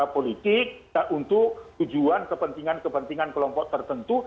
politik untuk tujuan kepentingan kepentingan kelompok tertentu